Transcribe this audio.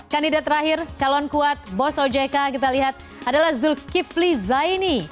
kandidat terakhir calon kuat bos ojk kita lihat adalah zulkifli zaini